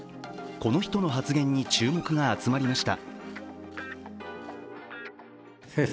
この人の発言に注目が集まりました。